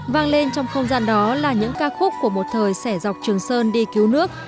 vang lên trong không gian đó là những ca khúc của một thời sẻ dọc trường sơn đi cứu nước